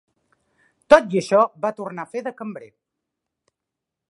Tot i això, va tornar a fer de cambrer.